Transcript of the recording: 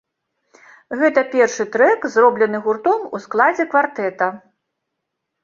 Гэта першы трэк, зроблены гуртом у складзе квартэта.